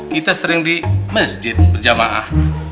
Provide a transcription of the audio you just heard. kita sering di masjid berjamaah